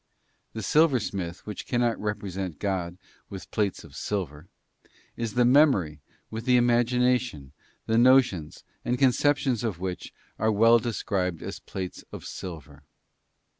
The silversmith which cannot represent God with plates of silver, is the memory with the imagination, _ the notions and conceptions of which are well described as | plates of silver.